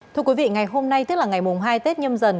thưa quý vị ngày hôm nay tức là ngày mùng hai tết nhâm dần